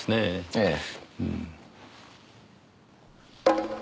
ええ。